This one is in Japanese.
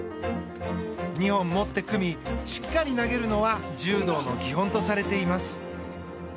二本持って組みしっかり投げるのは柔道の基本とされています。